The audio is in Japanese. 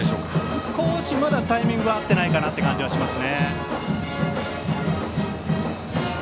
少しまだタイミングは合ってないかなという感じはします。